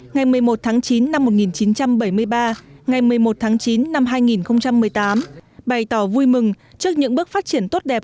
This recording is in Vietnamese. ngày một mươi một tháng chín năm một nghìn chín trăm bảy mươi ba ngày một mươi một tháng chín năm hai nghìn một mươi tám bày tỏ vui mừng trước những bước phát triển tốt đẹp